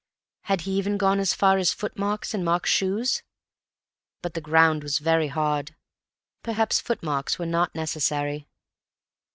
Had he even gone as far as footmarks—in Mark's shoes? But the ground was very hard. Perhaps footmarks were not necessary.